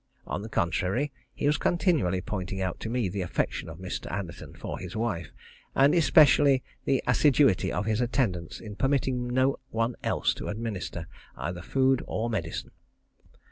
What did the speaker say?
On the contrary, he was continually pointing out to me the affection of Mr. Anderton for his wife, and especially the assiduity of his attendance in permitting no one else to administer either food or medicine.